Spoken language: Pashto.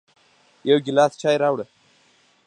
يو ګیلاس چای راوړه